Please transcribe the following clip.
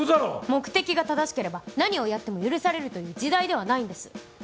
目的が正しければ何をやっても許されるという時代ではないんです。